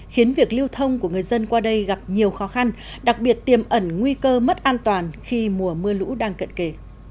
khiến việc lưu thông của người dân qua đây gặp nhiều khó khăn đặc biệt tiềm ẩn nguy cơ mất an toàn khi mùa mưa lũ đang cận kề